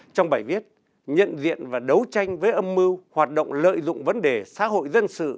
trong bài viết nhận diện và đấu tranh với âm mưu hoạt động lợi dụng vấn đề xã hội dân sự